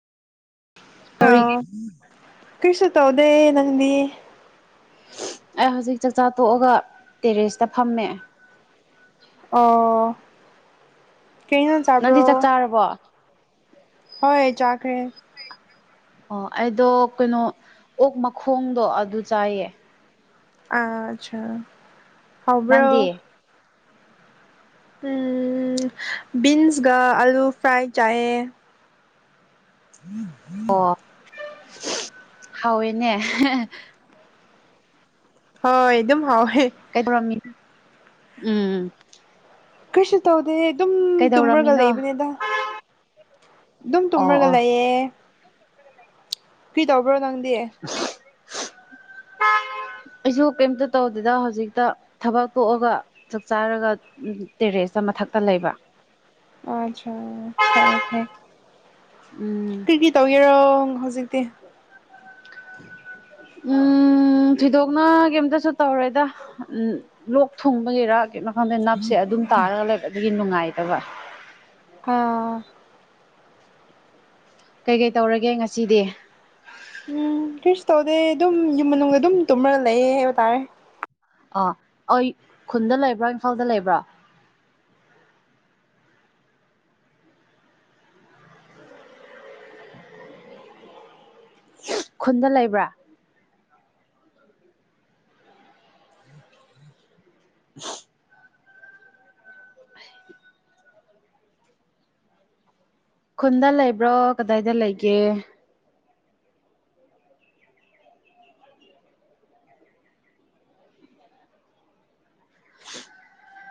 ꯇꯧꯔꯤꯒꯦ ꯑꯧ ꯀꯩꯁꯨ ꯇꯧꯗꯦ ꯅꯪꯗꯤ ꯑꯩ ꯍꯧꯖꯤꯛ ꯆꯥꯛꯆꯥ ꯇꯣꯛꯑꯒ ꯇꯦꯔꯦꯁꯇ ꯐꯝꯃꯦ ꯑꯣ ꯀꯩ ꯏꯁꯥꯡ ꯆꯕ꯭ꯔꯣ ꯅꯪꯗꯤ ꯆꯥꯛ ꯆꯥꯔꯕꯣ ꯑꯣ ꯍꯣꯏ ꯆꯥꯈ꯭ꯔꯦ ꯑꯣ ꯑꯩꯗꯣ ꯀꯩꯅꯣ ꯑꯣꯛ ꯃꯈꯣꯡꯗꯣ ꯑꯗꯨ ꯆꯥꯏꯌꯦ ꯑ ꯑꯆꯥ ꯅꯪꯗꯤ ꯍꯥꯎꯕ꯭ꯔꯣ ꯎꯝ ꯕꯤꯟꯁꯒ ꯑꯂꯨ ꯐ꯭ꯔꯥꯏ ꯆꯥꯏꯑꯦ [unintelligible] ꯑꯣ ꯍꯥꯎꯋꯦꯅꯦ ꯍ ꯍꯣꯏ ꯑꯗꯨꯝ ꯍꯥꯎꯋꯦ ꯀꯩ ꯄꯧꯔꯝꯃꯤ ꯎꯝ ꯀ꯭ꯔꯤꯁꯨ ꯇꯧꯗꯦ ꯑꯗꯨꯝ ꯇꯨꯝꯔꯒ ꯀꯩꯗꯧꯔꯝꯃꯤꯅꯣ ꯂꯩꯕꯅꯦꯗ ꯑꯗꯨꯝ ꯑꯣ ꯇꯨꯝꯔꯒ ꯑꯣ ꯂꯩꯌꯦ ꯀ꯭ꯔꯤ ꯇꯧꯕ꯭ꯔꯣ ꯅꯪꯗꯤ [unintelligible] ꯑꯩꯖꯨ ꯀꯔꯤꯝꯇ ꯇꯧꯗꯦꯗ ꯍꯧꯖꯤꯛꯇ ꯊꯕꯛ ꯇꯣꯛꯑꯒ ꯆꯥꯛ ꯆꯥꯔꯒ ꯇꯦꯔꯦꯁꯇ ꯃꯊꯛꯇ ꯂꯩꯕ ꯑꯆꯥ ꯐꯌꯦ ꯐꯌꯦ ꯎꯝ ꯀ꯭ꯔꯤ ꯀ꯭ꯔꯤ ꯇꯧꯔꯤꯔꯣ ꯍꯧꯖꯤꯛꯇꯤ ꯎꯝ ꯎꯝ ꯊꯣꯏꯗꯣꯛꯅ ꯀꯩꯝꯇꯁꯨ ꯇꯧꯔꯣꯏꯗ ꯎꯝ ꯂꯣꯛ ꯊꯨꯡꯕꯒꯤꯔꯥ ꯀꯩꯅꯣ ꯈꯪꯗꯦ ꯅꯞꯁꯦ ꯑꯗꯨꯝ ꯇꯥꯔꯒ ꯂꯩ ꯑꯗꯨꯒꯤ ꯅꯨꯡꯉꯥꯏꯇꯕ ꯍ ꯀꯩ ꯀꯩ ꯇꯧꯔꯒꯦ ꯉꯁꯤꯗꯤ ꯎꯝ ꯀꯔꯤꯁꯨ ꯇꯧꯗꯦ ꯑꯗꯨꯝ ꯌꯨꯝ ꯃꯅꯨꯡꯗ ꯑꯗꯨꯝ ꯇꯨꯝꯃꯒ ꯂꯩꯌꯦ ꯍꯥꯏꯕ ꯇꯥꯔꯦ ꯑꯥ ꯑꯩ ꯈꯨꯟꯗ ꯂꯩꯕ꯭ꯔꯥ ꯏꯝꯐꯥꯜꯗ ꯂꯩꯕ꯭ꯔꯥ ꯈꯨꯟꯗ ꯂꯩꯕ꯭ꯔꯥ [unintelligible] ꯈꯨꯟꯗ ꯂꯩꯕ꯭ꯔꯣ ꯀꯗꯥꯏꯗ ꯂꯩꯒꯦ